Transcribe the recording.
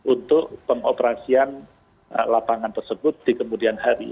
untuk pengoperasian lapangan tersebut di kemudian hari